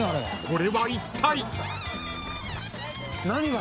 ［これはいったい？］